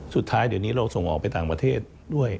สุดท้ายเดี๋ยวนี้เราส่งออกไปต่างประเทศด้วย